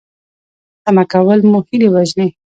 تمه کول مو هیلې وژني